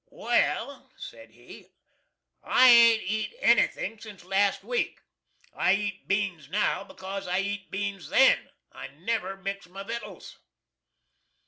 "Well," said he, "I hadn't eat anything since last week. I eat beans now BECAUSE I eat beans THEN. I never mix my vittles!"